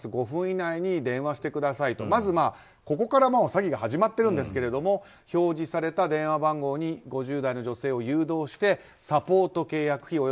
５分以内に電話してくださいとまず、ここから詐欺が始まっているんですけど表示された電話番号に５０代の女性を誘導してサポート契約費